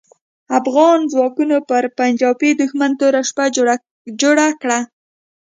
افغان ځواکونو پر پنجاپي دوښمن توره شپه جوړه کړه.